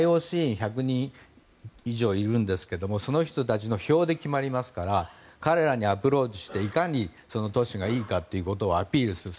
ＩＯＣ委員、１００人以上いるんですけど、その人たちの票で決まりますから彼らにアプローチしていかに、その都市がいいかとアピールする。